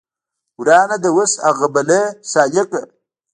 ورانه ده اوس هغه بلۍ سالکه